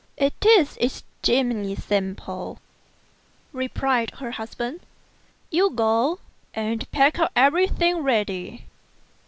" It is extremely simple," replied her husband ;" you go and pack up everything ready."